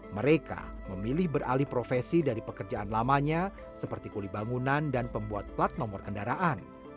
mereka memilih beralih profesi dari pekerjaan lamanya seperti kuli bangunan dan pembuat plat nomor kendaraan